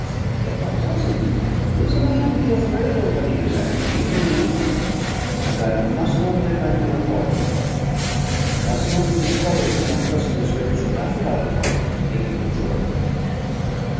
But my cousin is a man to be afraid of when he is angry, even in England, and I mus' not get my Mirepoix in trouble. I mus' not be discover' till my cousin is ready to laugh about it all and make it a joke.